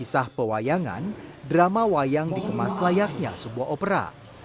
kisah pewayangan drama wayang dikemas layaknya sebuah opera